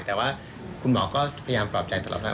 แต่ว่าคุณหมอก็พยายามปลอบใจตลอดเวลา